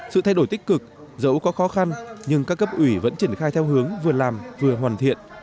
sự thay đổi tích cực dẫu có khó khăn nhưng các cấp ủy vẫn triển khai theo hướng vừa làm vừa hoàn thiện